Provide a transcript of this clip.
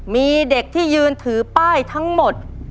มีเด็กที่ยืนถือป้ายทั้งหมด